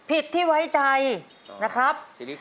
ที่ไว้ใจนะครับ